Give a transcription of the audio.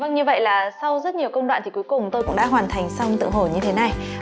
vâng như vậy là sau rất nhiều công đoạn thì cuối cùng tôi cũng đã hoàn thành xong tượng hổ như thế này